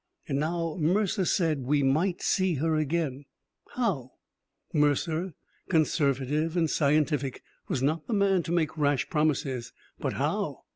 And now, Mercer said, we might see her again! How? Mercer, conservative and scientific, was not the man to make rash promises. But how...?